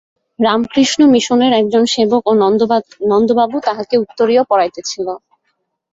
রামকৃষ্ণ মিশনের একজন সেবক ও নন্দবাবু তাহাকে উত্তরীয় পরাইতেছিল।